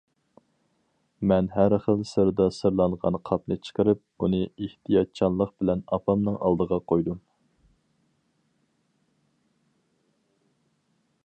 مەن ھەر خىل سىردا سىرلانغان قاپنى چىقىرىپ، ئۇنى ئېھتىياتچانلىق بىلەن ئاپامنىڭ ئالدىغا قويدۇم.